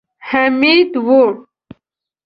حميد و.